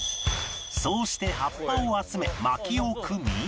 そうして葉っぱを集め薪を組み